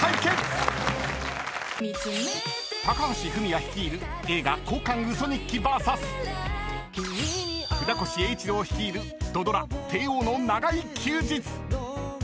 ［高橋文哉率いる映画『交換ウソ日記』ＶＳ船越英一郎率いる土ドラ『テイオーの長い休日』］